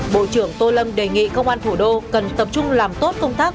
bộ trưởng tô lâm đề nghị công an thủ đô cần tập trung làm tốt công tác